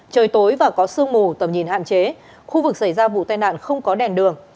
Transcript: trời tối và có sương mù tầm nhìn hạn chế khu vực xảy ra vụ tai nạn không có đèn đường